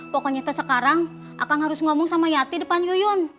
pokoknya sekarang akan harus ngomong sama yati depan yuyun